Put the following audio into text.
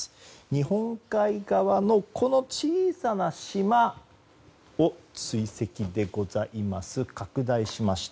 日本海側の、この小さな島を追跡でございます。